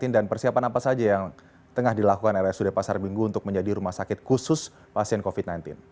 dan persiapan apa saja yang tengah dilakukan rsud pasar minggu untuk menjadi rumah sakit khusus pasien covid sembilan belas